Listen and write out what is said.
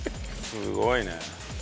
すごいね。